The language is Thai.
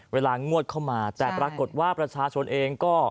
เวลางวดเข้ามาแต่ปรากฏว่าประชาชนเองก็